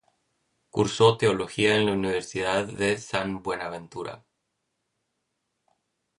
Cursó teología en la universidad de San Buenaventura.